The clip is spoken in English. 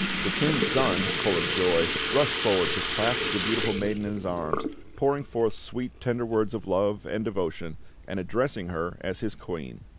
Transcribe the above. The King's Son, full of joy, rushed forward to clasp the beautiful maiden in his arms, pouring forth sweet tender words of love and devotion, and addressing her as his queen.